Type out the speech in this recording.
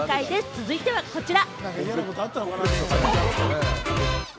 続いてはこちら！